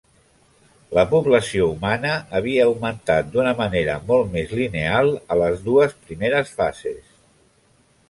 La població humana havia augmentat d'una manera molt més lineal a les dues primeres fases.